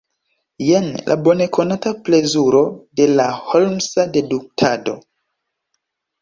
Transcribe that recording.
Jen la bonekonata plezuro de la holmsa deduktado.